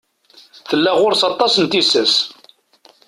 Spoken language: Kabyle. Tella ɣur-s aṭas n tissas.